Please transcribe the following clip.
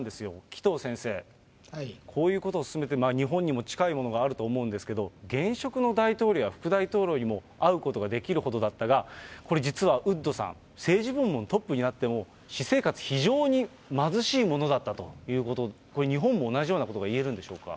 紀藤先生、こういうことをすすめて、日本にも近いものがあると思うんですけど、現職の大統領や副大統領にも会うことができるほどだったが、実はウッドさん、政治部門のトップになっても、私生活、非常に貧しいものだったと、これ、日本も同じようなことが言えるんでしょうか。